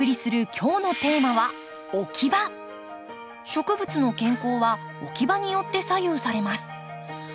植物の健康は置き場によって左右されます。